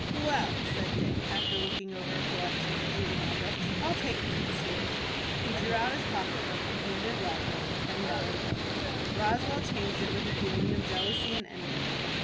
"Well," said Dick, after looking over a collection of juvenile books, "I'll take these two." He drew out his pocket book, and handed Roswell a ten dollar bill. Roswell changed it with a feeling of jealousy and envy.